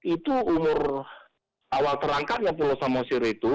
itu umur awal terangkatnya pulau samosir itu